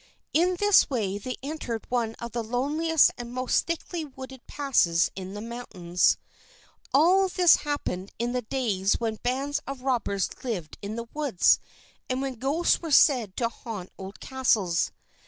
In this way they entered one of the loneliest and most thickly wooded passes in the mountains. All this happened in the days when bands of robbers lived in woods, and when ghosts were said to haunt old castles.